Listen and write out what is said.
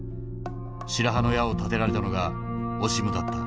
白羽の矢を立てられたのがオシムだった。